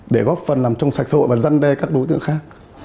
để góp phần làm trong sạch xã hội và răn đe các đối tượng khác